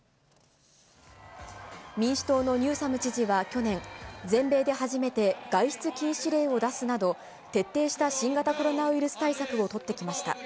民主党のニューサム知事は去年、全米で初めて外出禁止令を出すなど、徹底した新型コロナウイルス対策を取ってきました。